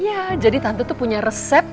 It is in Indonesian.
ya jadi tante tuh punya resep